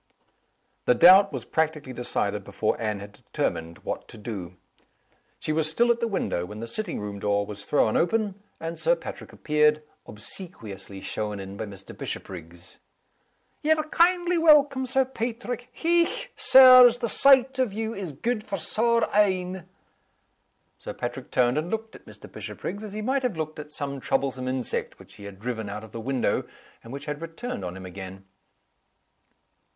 THE doubt was practically decided before Anne had determined what to do. She was still at the window when the sitting room door was thrown open, and Sir Patrick appeared, obsequiously shown in by Mr. Bishopriggs. "Ye're kindly welcome, Sir Paitrick. Hech, Sirs! the sight of you is gude for sair eyne." Sir Patrick turned and looked at Mr. Bishopriggs as he might have looked at some troublesome insect which he had driven out of the window, and which had returned on him again.